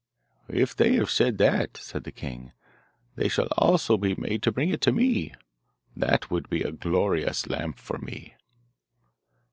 'If they have said that,' said the king, 'they shall also be made to bring it to me. That would be a glorious lamp for me.